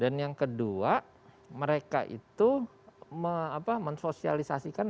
dan yang kedua mereka itu mensosialisasi kepadanya